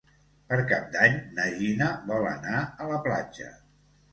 Per Cap d'Any na Gina vol anar a la platja.